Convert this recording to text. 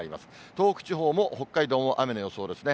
東北地方も北海道も予想ですね。